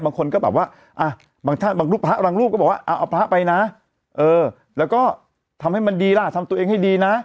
บางคนก็แบบว่าบางท่านบางรูปพระบางรูปก็บอกว่าเอาพระไปนะเออแล้วก็ทำให้มันดีล่ะทำตัวเองให้ดีนะ